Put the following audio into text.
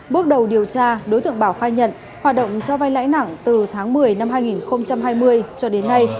bước đầu điều tra đối tượng bảo khai nhận hoạt động cho vai lãi nặng từ tháng một mươi năm hai nghìn hai mươi cho đến nay